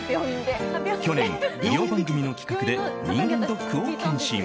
去年、医療番組の企画で人間ドックを健診。